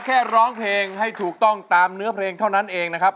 แค่ร้องเพลงให้ถูกต้องตามเนื้อเพลงเท่านั้นเองนะครับ